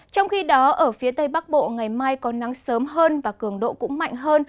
trong khi đó ở phía tây bắc bộ ngày mai có nắng sớm hơn và cường độ cũng mạnh hơn